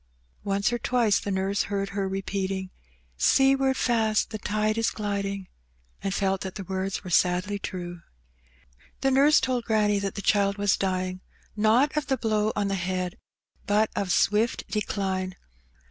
Once or twice the nurse heard her repeating, '' Seaward fast the tide is gliding," and felt that the words were sadly true. The nurse told granny that the child was dying, not of the blow on the head, but of swift decline.